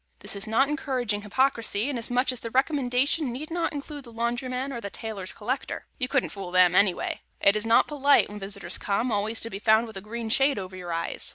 This is not encouraging hypocrisy, inasmuch as the recommendation need not include the laundryman or the tailor's collector. You couldn't fool them, anyway. It is not polite, when visitors come, always to be found with a green shade over your eyes.